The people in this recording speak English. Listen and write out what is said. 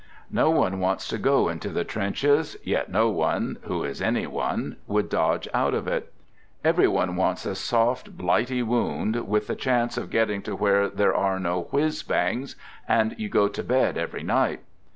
No one wants to go into the trenches, yet no one (who is any one) would dodge out of it. Every one wants a soft Blighty wound, with the chance of getting to where there are no whizz bangs, and you go to bed every night.